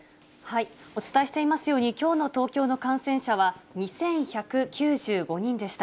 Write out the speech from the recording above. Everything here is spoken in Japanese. お伝えしていますように、きょうの東京の感染者は、２１９５人でした。